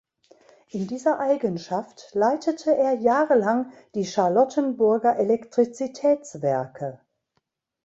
In dieser Eigenschaft leitete er jahrelang die Charlottenburger Elektrizitätswerke.